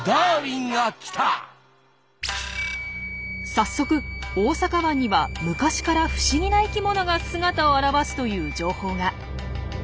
早速「大阪湾には昔から不思議な生きものが姿を現す」という情報が。